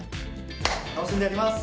楽しんでやります。